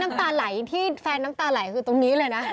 น้ำตาไหลที่แฟนน้ำตาไหลคือตรงนี้เลยนะ